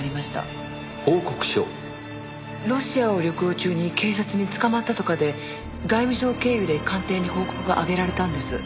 ロシアを旅行中に警察に捕まったとかで外務省経由で官邸に報告が上げられたんです。